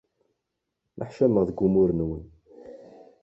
Neḥcameɣ deg umur-nwen.